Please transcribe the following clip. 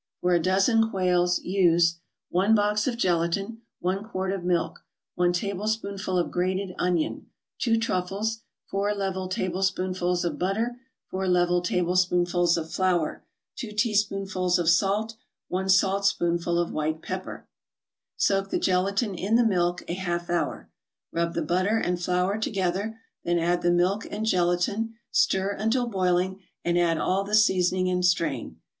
For a dozen quails use: 1 box of gelatin 1 quart of milk 1 tablespoonful of grated onion 2 truffles 4 level tablespoonfuls of butter 4 level tablespoonfuls of flour 2 teaspoonfuls of salt 1 saltspoonful of white pepper Soak the gelatin in the milk a half hour. Rub the butter and flour together, then add the milk and gelatin, stir until boiling, and add all the seasoning and strain.